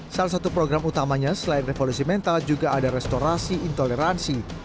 salah satu program utamanya selain revolusi mental juga ada restorasi intoleransi